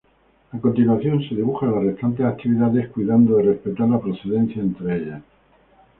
A continuación, se dibujan las restantes actividades cuidando de respetar la precedencia entre ellas.